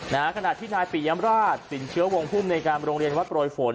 ขณะที่นายปิยมราชสินเชื้อวงภูมิในการโรงเรียนวัดโปรยฝน